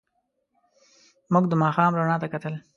موږ د ماښام رڼا ته کتل.